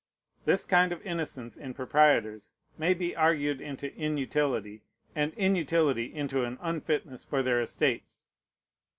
This kind of innocence in proprietors may be argued into inutility; and inutility into an unfitness for their estates.